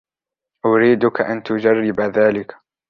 أريدُك أن تجرّب ذلِكَ.